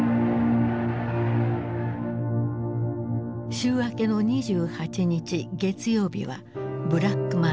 週明けの２８日月曜日はブラックマンデー。